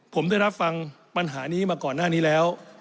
ผมได้รับฟังปัญหานี้มาก่อนหน้านี้แล้ว